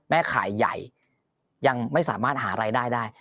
แม่ขายใหญ่ยังไม่สามารถหารายได้ได้